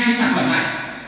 thuốc đất này